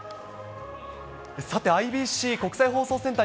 さて、ＩＢＣ国際放送センター